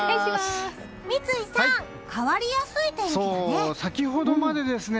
三井さん、変わりやすい天気だね。